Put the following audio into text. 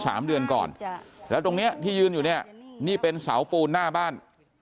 สามเดือนก่อนจ้ะแล้วตรงเนี้ยที่ยืนอยู่เนี่ยนี่เป็นเสาปูนหน้าบ้าน